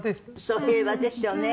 そう平和ですよね。